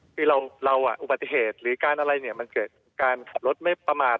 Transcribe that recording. อุปสรรถิเหตุหรือการอะไรมันเกิดการขับรถไม่ประมาท